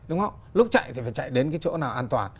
đúng không lúc chạy thì phải chạy đến cái chỗ nào an toàn